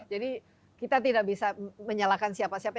jadi kita tidak bisa menyalahkan siapa siapa